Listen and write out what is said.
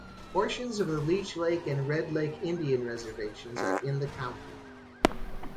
Portions of the Leech Lake and Red Lake Indian reservations are in the county.